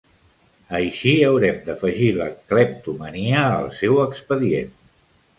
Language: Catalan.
Així haurem d'afegir la cleptomania, al seu expedient.